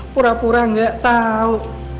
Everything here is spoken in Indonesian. pura pura gak tau